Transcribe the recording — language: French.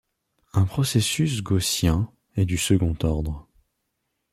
Un processus gaussien est du second ordre.